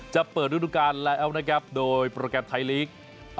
จะเปิดฤดูการแล้วนะครับโดยโปรแกรมไทยลีก